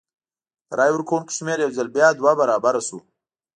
د رای ورکوونکو شمېر یو ځل بیا دوه برابره شو.